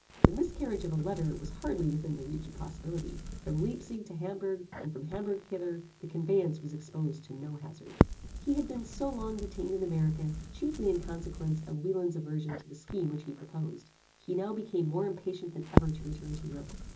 The miscarriage of a letter was hardly within the reach of possibility. From Leipsig to Hamburgh, and from Hamburgh hither, the conveyance was exposed to no hazard. He had been so long detained in America chiefly in consequence of Wieland's aversion to the scheme which he proposed. He now became more impatient than ever to return to Europe.